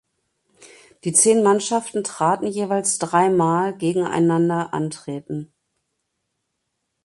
Die zehn Mannschaften traten jeweils drei Mal gegeneinander antreten.